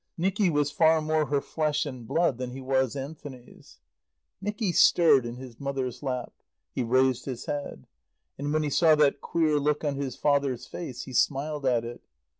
Nicky was far more her flesh and blood than he was Anthony's. Nicky stirred in his mother's lap. He raised his head. And when he saw that queer look on his father's face he smiled at it.